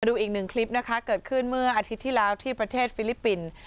ดูอีกหนึ่งคลิปนะคะเกิดขึ้นเมื่ออาทิตย์ที่แล้วที่ประเทศฟิลิปปินส์